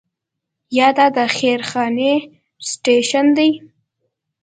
یا دا د خير خانې سټیشن دی.